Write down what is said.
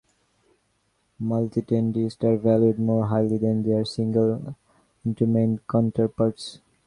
Multireedists are valued more highly than their single instrument counterparts.